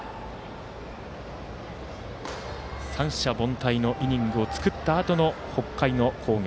三者凡退のイニングを作ったあとの北海の攻撃。